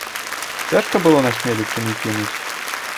Цяжка было насмеліцца, не кінуць?